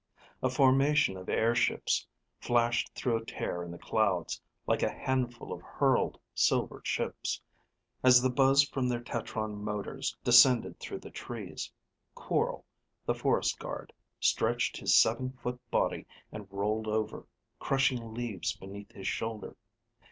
A formation of airships flashed through a tear in the clouds like a handful of hurled, silver chips. As the buzz from their tetron motors descended through the trees, Quorl, the forest guard, stretched his seven foot body and rolled over, crushing leaves beneath his shoulder.